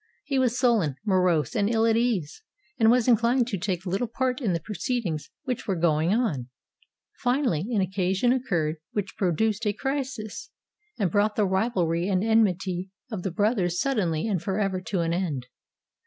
He was sullen, morose, and ill at ease, and was inclined to take little part in the proceedings which were going on. Fi nally an occasion occurred which produced a crisis, and brought the rivalry and enmity of the brothers suddenly and forever to an end.